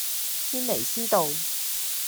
軒尼詩道